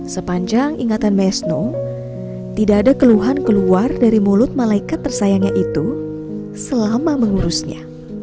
sepanjang ingatan mesno tidak ada keluhan keluar dari mulut malaikat tersayangnya itu selama mengurusnya